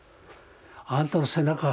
あんたの背中